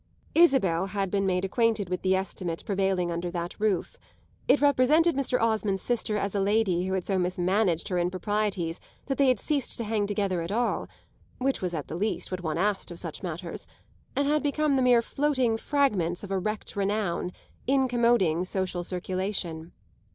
Isabel had been made acquainted with the estimate prevailing under that roof: it represented Mr. Osmond's sister as a lady who had so mismanaged her improprieties that they had ceased to hang together at all which was at the least what one asked of such matters and had become the mere floating fragments of a wrecked renown, incommoding social circulation.